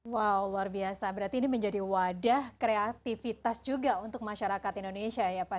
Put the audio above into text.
wow luar biasa berarti ini menjadi wadah kreativitas juga untuk masyarakat indonesia ya pak